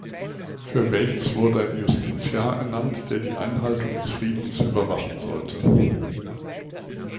Für Wales wurde ein Justiciar ernannt, der die Einhaltung des Friedens überwachen sollte.